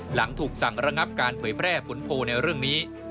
หลังถูกสั่งระงับการเผยแพร่ผลโพลในเรื่องนี้